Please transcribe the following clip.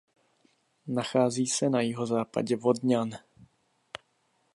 Nachází se na jihozápadě Vodňan.